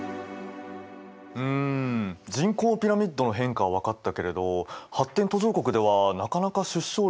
うん人口ピラミッドの変化は分かったけれど発展途上国ではなかなか出生率は下がらないんだね。